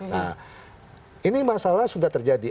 nah ini masalah sudah terjadi